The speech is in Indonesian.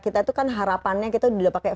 kita itu kan harapannya kita udah pakai